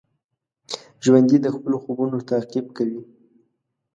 ژوندي د خپلو خوبونو تعقیب کوي